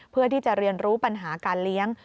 เพื่อที่จะเรียนรู้ปัญหาการเลี้ยง